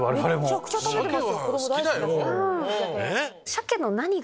めちゃくちゃ食べてます。